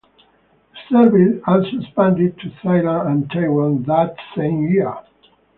The service also expanded to Thailand and Taiwan that same year.